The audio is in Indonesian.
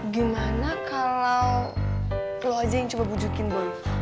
gimana kalau lo aja yang coba bujukin boleh